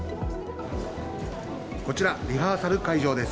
こちらリハーサル会場です。